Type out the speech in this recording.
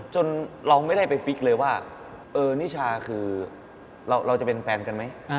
จนเราไม่ได้ไปฟิกเลยว่าเออนิชาคือเราจะเป็นแฟนกันไหม